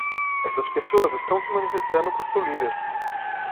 Essas pessoas estão se manifestando por seu líder.